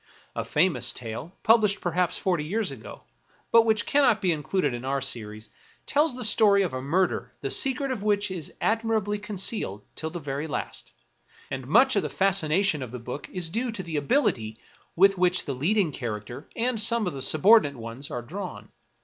A famous tale, published perhaps forty years ago, but which cannot be included in our series, tells the story of a murder the secret of which is admirably con cealed till the last ; and much of the fascination of the book is due to the ability with which the leading character, and some of the surbordinate ones, are drawn.